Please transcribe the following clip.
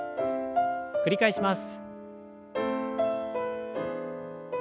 繰り返します。